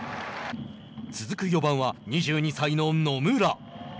続く４番は２２歳の野村。